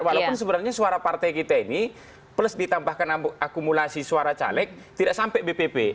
walaupun sebenarnya suara partai kita ini plus ditambahkan akumulasi suara caleg tidak sampai bpp